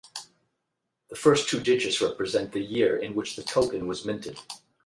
The first two digits represent the year in which the token was minted.